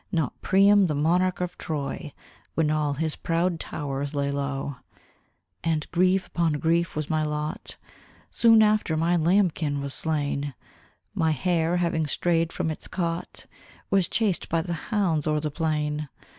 Not Priam, the monarch of Troy, When all his proud towers lay low. And grief upon grief was my lot: Soon after, my lambkin was slain; My hare, having strayed from its cot, Was chased by the hounds o'er the plain.